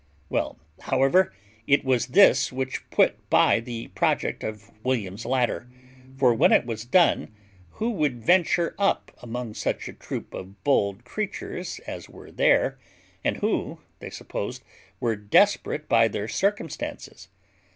Well, however, it was this which put by the project of William's ladder; for when it was done, who would venture up among such a troop of bold creatures as were there, and who, they supposed, were desperate by their circumstances?